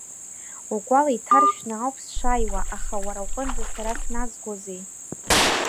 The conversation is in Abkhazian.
Укәал иҭаршәны ауп сшааиуа, аха уара уҟынӡа сара сназгозеи.